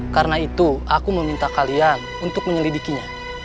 karena itu aku meminta kalian untuk menyelidikinya